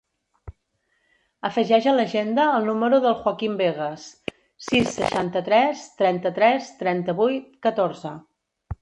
Afegeix a l'agenda el número del Joaquín Vegas: sis, seixanta-tres, trenta-tres, trenta-vuit, catorze.